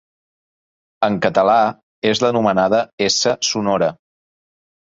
En català és l'anomenada essa sonora.